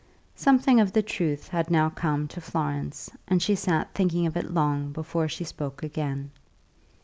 Something of the truth had now come home to Florence, and she sat thinking of it long before she spoke again.